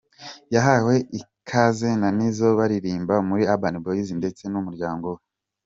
Yahawe ikaze na Nizzo baririmbana muri Urban Boys ndetse n’ umuryango we.